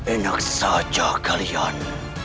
enak saja kalian